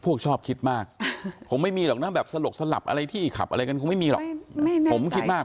ผมก็ชอบคิดมากผมไม่มีหรอกสลบอะไรที่ขับอะไรก็คงไม่มีหรอก